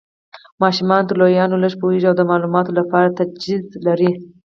ماشومان تر لویانو لږ پوهیږي او د مالوماتو لپاره تجسس لري.